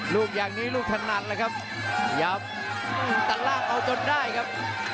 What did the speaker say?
ลูกอย่างนี้ลูกถนัดเลยครับขยับตัดล่างเอาจนได้ครับ